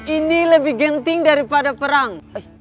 ini lebih genting daripada perang